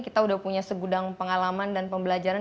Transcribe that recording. kita sudah punya segudang pengalaman dan pembelajaran